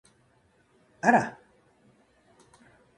あら！